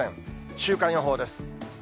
週間予報です。